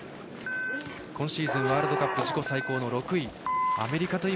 今シーズン、ワールドカップ自己最高の６位。